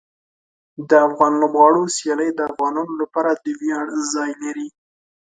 د افغان لوبغاړو سیالۍ د افغانانو لپاره د ویاړ ځای لري.